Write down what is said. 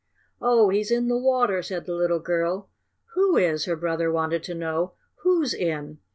"Oh, he's in the water!" said the little girl. "Who is?" her brother wanted to know. "Who's in?"